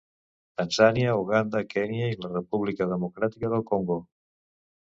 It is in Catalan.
Tanzània, Uganda, Kenya i la República Democràtica del Congo.